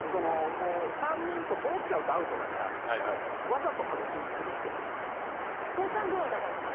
３人とそろっちゃうとアウトだからわざと外しにくる人もいる。